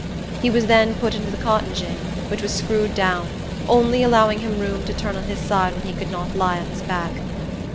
He was then put into the cotton gin, which was screwed down, only allowing him room to turn on his side when he could not lie on his back.